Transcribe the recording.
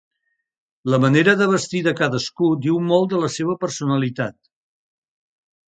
La manera de vestir de cadascú diu molt de la seva personalitat.